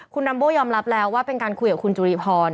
คุณลัมโบ้ยอมรับแล้วว่าเป็นการคุยกับคุณจุรีพร